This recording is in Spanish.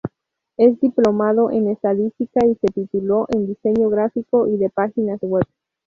Es diplomado en estadística y se tituló en diseño gráfico y de páginas web.